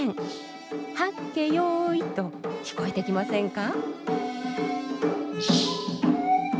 「はっけよい」と聞こえてきませんか？